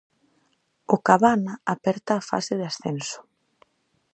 O Cabana aperta a fase de ascenso.